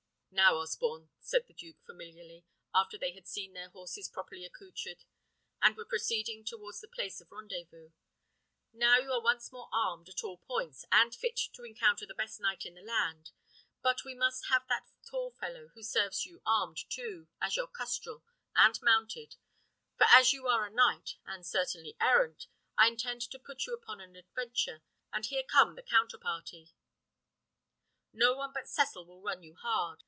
"Now, Osborne," said the duke familiarly, after they had seen their horses properly accoutred, and were proceeding towards the place of rendezvous; "now you are once more armed at all points, and fit to encounter the best knight in the land; but we must have that tall fellow who serves you armed too, as your custrel, and mounted; for as you are a knight, and certainly errant, I intend to put you upon an adventure; but here come the counterparty. No one but Cecil will run you hard.